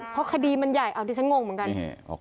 เพราะคดีมันใหญ่เอาดิฉันงงเหมือนกัน